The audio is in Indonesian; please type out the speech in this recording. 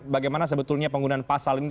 bagaimana sebetulnya penggunaan pasal ini